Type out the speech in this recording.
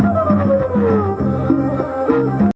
นี่ก็จับนี่